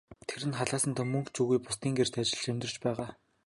Тэр нь халаасандаа мөнгө ч үгүй, бусдын гэрт ажиллаж амьдарч байгаа.